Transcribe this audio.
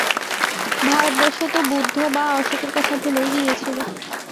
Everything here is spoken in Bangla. ভারতবর্ষ তো বুদ্ধ বা অশোকের কথা ভুলেই গিয়েছিল।